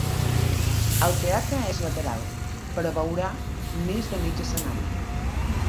El teatre és lateral, però veurà més de mig escenari.